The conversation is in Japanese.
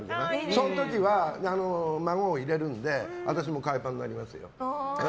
その時は孫を入れるので私も海パンになりますよ。